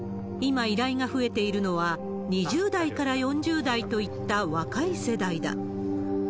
今、依頼が増えているのは２０代から４０代といった若い世代だ。